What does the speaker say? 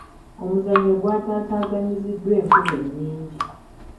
Omuzannyo gw'ataataaganyiziddwa enkuba ennyingi.